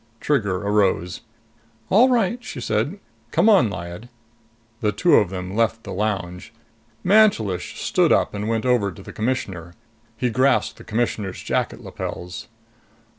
Trigger arose. "All right," she said. "Come on, Lyad." The two of them left the lounge. Mantelish stood up and went over to the Commissioner. He grasped the Commissioner's jacket lapels.